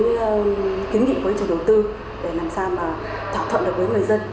để kiếm nghị với chủ đầu tư để làm sao mà thỏa thuận được với người dân